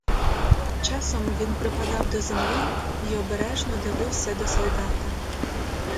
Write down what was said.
Часом він припадав до землі й обережно дивився до солдата.